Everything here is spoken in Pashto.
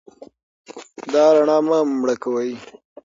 دا رڼا مه مړه کوئ.